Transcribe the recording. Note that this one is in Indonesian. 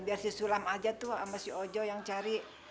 biar si sulam aja tuh sama si ojo yang cari